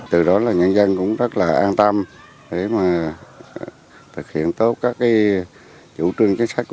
từ đó là nhân dân cũng rất là an tâm để mà thực hiện tốt các chủ trương chính sách